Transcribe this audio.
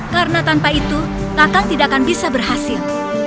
karena tanpa itu kakang tidak akan bisa berhasil